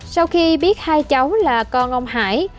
sau khi biết hai cháu là con ông hải